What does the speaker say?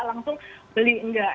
langsung beli enggak